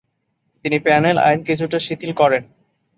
তিনি প্যানেল আইন কিছুটা শিথিল করেন।